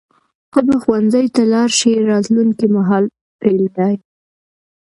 ته به ښوونځي ته لاړ شې راتلونکي مهال فعل دی.